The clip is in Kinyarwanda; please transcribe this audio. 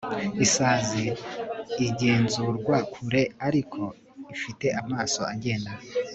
isazi igenzurwa kure ariko ifite amaso agenda